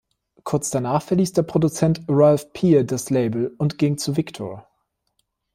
Kurz danach verließ der Produzent Ralph Peer das Label und ging zu Victor.